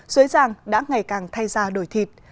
xuế giang đã ngày càng thay ra đổi thịt